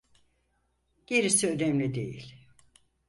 Gerisi önemli değil.